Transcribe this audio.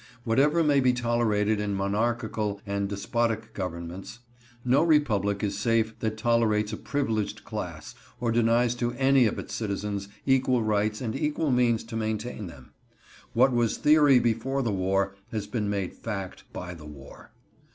Whatever may be tolerated in monarchical and despotic governments, no republic is safe that tolerates a privileged class, or denies to any of its citizens equal rights and equal means to maintain them. What was theory before the war has been made fact by the war.